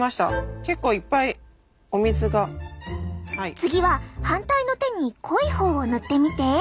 次は反対の手に濃いほうを塗ってみて！